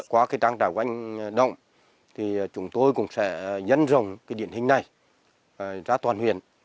qua trang trại của anh đỗ đình đồng chúng tôi cũng sẽ nhấn rộng điện hình này ra toàn huyền